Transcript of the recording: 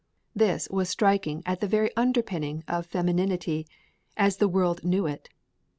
This was striking at the very underpinning of femininity, as the world knew it.